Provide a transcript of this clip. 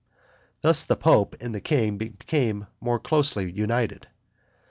Thus the pope and the king became more closely united.